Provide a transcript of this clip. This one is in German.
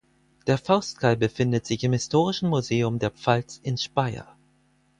Der Faustkeil befindet sich im Historischen Museum der Pfalz in Speyer.